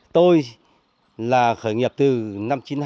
tôi là khởi nghiệp từ năm chín mươi hai